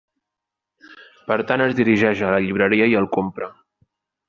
Per tant, es dirigeix a la llibreria i el compra.